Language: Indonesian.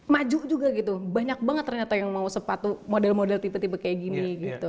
maju juga gitu banyak banget ternyata yang mau sepatu model model tipe tipe kayak gini gitu